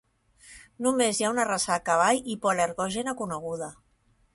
Només hi ha una raça de cavall hipoal·lergògena coneguda.